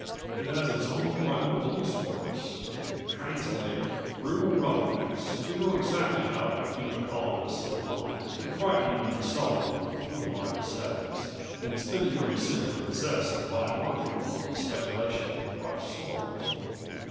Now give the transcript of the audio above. It has its own private police force. Translate brutal roughnecks who know exactly how to keep the colonists in line and frighten them into selling when the fuel market sags and spending every cent they possess to buy more fuel on speculation when the price soars.